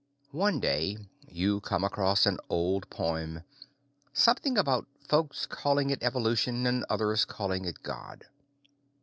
One day you come across an old poem something about some folks calling it evolution and others calling it God.